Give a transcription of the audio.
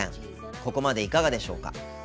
ここまでいかがでしょうか。